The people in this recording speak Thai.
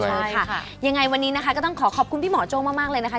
ใช่ค่ะยังไงวันนี้นะคะก็ต้องขอขอบคุณพี่หมอโจ้มากเลยนะคะ